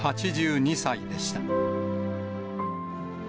８２歳でした。